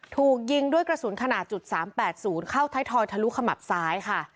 ถูกยิงด้วยกระสุนขนาด๓๘๐เข้าไทยทอยทะลุขมับซ้ายค่ะ